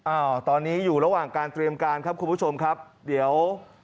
อ่าตอนนี้อยู่ระหว่างการเตรียมการครับคุณผู้ชมครับเดี๋ยว